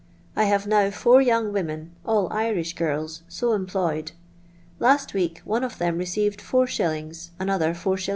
I have now four young women (all Irish girls) so employed. Last week one of them re ceived is., another is.